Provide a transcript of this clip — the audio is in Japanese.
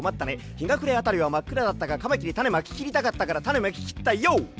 ひがくれあたりはまっくらだったがカマキリたねまききりたかったからタネまききったＹＯ！」